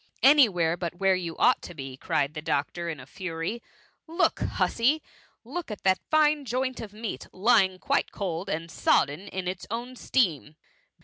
" Any where but where you ought to be,^ cried the doctor, in a fury. " Look, hussy ! look at that fine joint of meat, lying quite cold and sodden in its own steam.